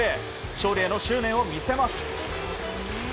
勝利への執念を見せます。